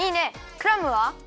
クラムは？